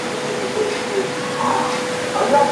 o په رسنيو کي موضوع ورو ورو کمه سي راپور,